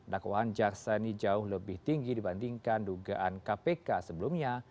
dakwaan jaksa ini jauh lebih tinggi dibandingkan dugaan kpk sebelumnya